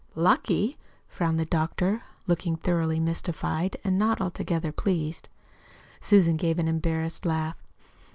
"Lucky?" frowned the doctor, looking thoroughly mystified, and not altogether pleased. Susan gave an embarrassed laugh.